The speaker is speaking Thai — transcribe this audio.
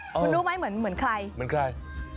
มึงรู้มั้ยเหมือนใคร